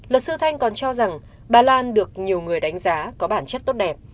luật sư thanh còn cho rằng bà lan được nhiều người đánh giá có bản chất tốt đẹp